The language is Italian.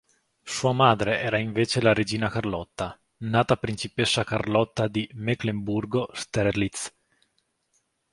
Sua madre era invece la regina Carlotta, nata principessa Carlotta di Meclemburgo-Strelitz.